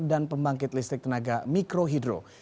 dan pembangkit listrik tenaga mikrohidro